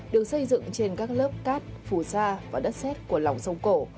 được xây dựng trên các lớp cát phù sa và đất xét của lòng sông cổ